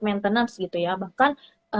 maintenance gitu ya bahkan